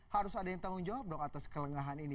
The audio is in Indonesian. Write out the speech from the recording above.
harus ada yang tanggung jawab dong atas kelengahan ini